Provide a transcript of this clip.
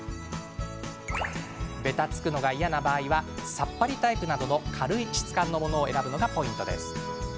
べたつくのが嫌な場合はさっぱりタイプなどの軽い質感のものを選ぶのがポイントです。